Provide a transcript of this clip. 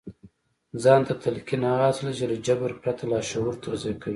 ځان ته تلقين هغه اصل دی چې له جبر پرته لاشعور تغذيه کوي.